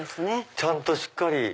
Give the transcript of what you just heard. ちゃんとしっかり。